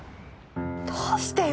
どうしてよ？